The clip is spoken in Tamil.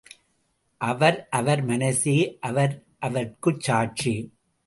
அவர் அவர் மனசே அவர் அவர்க்குச் சாட்சி.